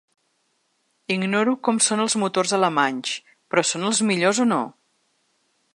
Ignoro com són els motors alemanys, però són els millors o no?